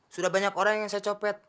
sudah banyak orang yang saya copet